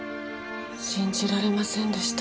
信じられませんでした。